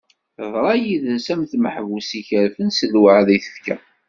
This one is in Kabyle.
Teḍra yid-s am tmeḥbust ikerfen s lweɛd i tefka.